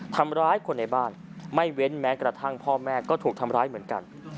ทำร้ายคนในบ้านไม่เว้นแม้กระทั่งพ่อแม่ก็ถูกทำร้ายเหมือนกัน